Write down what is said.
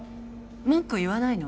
文句言わないの？